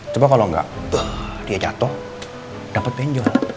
coba kalo nggak dia jatuh dapet benjol